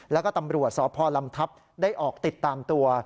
แล้วก็ตำรวจสพลำทัพได้ออกติดตามตัว